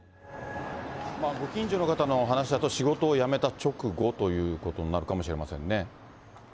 ご近所の方の話だと、仕事を辞めた直後ってことになるかもしれませんね。